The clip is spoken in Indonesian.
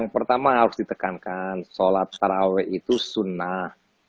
pertama harus ditekankan sholat taraweh itu sunnah